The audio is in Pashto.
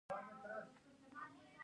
د پکتیکا په تروو کې د ګچ نښې شته.